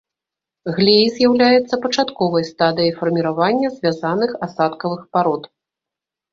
Глей з'яўляецца пачатковай стадыяй фарміравання звязаных асадкавых парод.